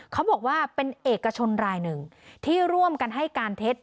เขาบอกว่าเป็นเอกชนรายหนึ่งที่ร่วมกันให้การเท็จ